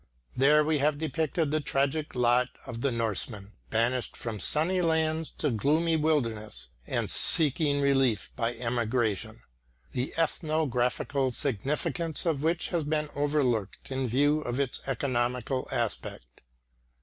There we have depicted the tragic lot of the Norseman banished from sunny lands to gloomy wildernesses, and seeking relief by emigration, the ethnographical significance of which has been overlooked in view of its economical aspect.